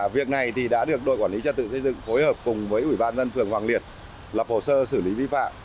việc này đã được đội quản lý trật tự xây dựng phối hợp cùng với ủy ban dân phường hoàng liệt lập hồ sơ xử lý vi phạm